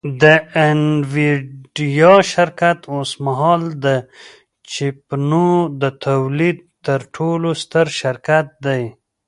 د انویډیا شرکت اوسمهال د چیپونو د تولید تر ټولو ستر شرکت دی